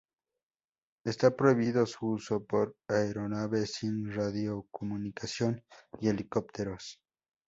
Está prohibido su uso por aeronaves sin radiocomunicación y helicópteros.